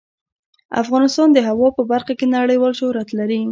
افغانستان د هوا په برخه کې نړیوال شهرت لري.